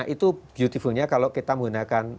itu beautifulnya kalau kita menggunakan